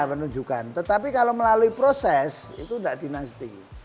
ya penunjukan tetapi kalau melalui proses itu enggak dinasti